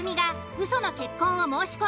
ウソの結婚を申し込む